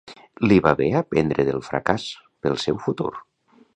Li va bé aprendre del fracàs, pel seu futur.